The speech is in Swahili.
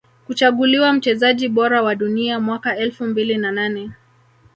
Kuchaguliwa mchezaji bora wa Dunia mwaka elfu mbili na nane